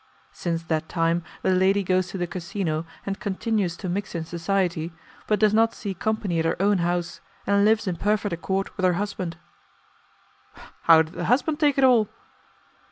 "Since that time the lady goes to the casino, and continues to mix in society, but does not see company at her own house, and lives in perfect accord with her husband." "How did the husband take it all?"